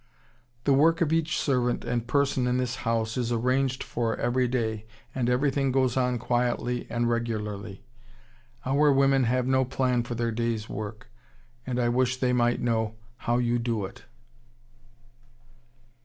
"The work of each servant and person in this house is arranged for every day, and everything goes on quietly and regularly. Our women have no plan for their day's work, and I wish they might know how you do it."